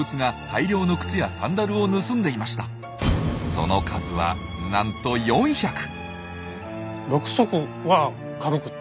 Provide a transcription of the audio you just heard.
その数はなんと４００！